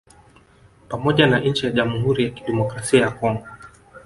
Pamoja na nchi ya Jamhuri ya Kidemokrasia ya Congo